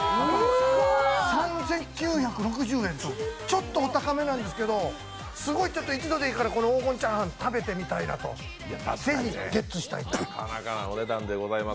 ３９６０円とちょっとお高めなんですけど、すごい、一度でいいからこの黄金チャーハン食べてみたいなということでぜひゲッツしたいです。